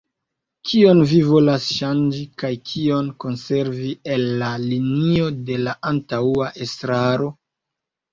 Kion vi volas ŝanĝi kaj kion konservi el la linio de la antaŭa estraro?